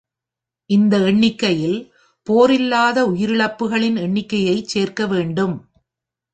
இந்த எண்ணிக்கையில் போரில்லாத உயிரிழப்புகளின் எண்ணிக்கையைச் சேர்க்க வேண்டும்.